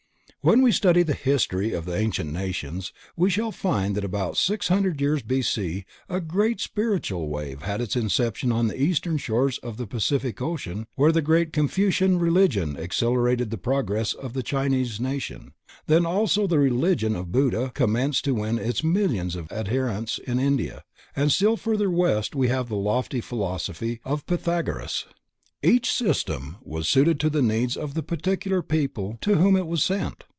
When we study the history of the ancient nations we shall find that at about six hundred years B. C. a great spiritual wave had its inception on the Eastern shores of the Pacific Ocean where the great Confucian Religion accelerated the progress of the Chinese nation, then also the Religion of the Buddha commenced to win its millions of adherents in India, and still further West we have the lofty philosophy of Pythagoras. Each system was suited to the needs of the particular people to whom it was sent.